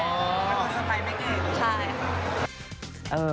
มันคือสไตล์แม่งเองใช่